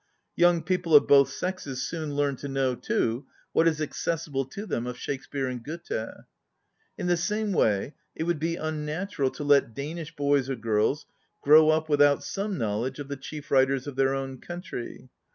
Young people of both sexes soon learn to know, too, what is accessible to them of Shake speare and Gk)ethe. In the same way it would be unnatural to let Danish boys or girls grow up without some knowledge of the chief writers of their own country.